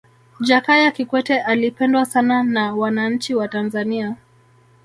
jakaya kikwete alipendwa sana na wananchi wa tanzania